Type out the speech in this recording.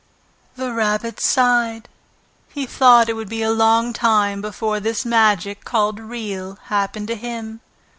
The Rabbit sighed. He thought it would be a long time before this magic called Real happened to him.